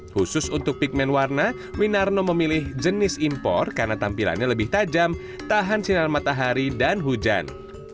khusus untuk pigment warna winarno memilih jenis impor karena tampilannya lebih tajam tahan sinar matahari dan hujan